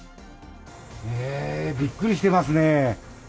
びっくりしてますね。